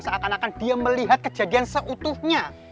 seakan akan dia melihat kejadian seutuhnya